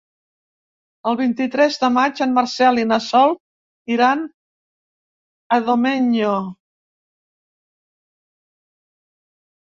El vint-i-tres de maig en Marcel i na Sol iran a Domenyo.